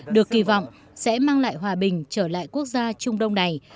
được kỳ vọng sẽ mang lại hòa bình trở lại quốc gia trung đông này